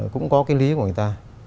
cũng có cái lý của người ta